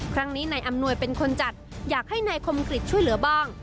ครั้งนี้นายอำนวยเป็นคนจัดอยากให้นายคมกริจช่วยเหลือบ้าง